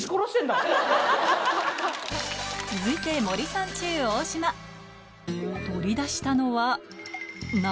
続いて森三中・大島取り出したのは何？